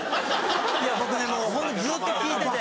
いや僕ねもうずっと聞いてて。